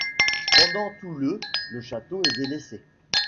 Pendant tout le le château est délaissé.